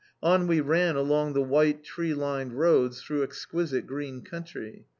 On we ran along the white tree lined roads through exquisite green country.